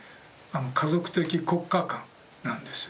「家族的国家観」なんです。